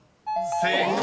［正解］